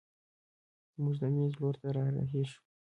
زموږ د مېز لور ته رارهي شوه.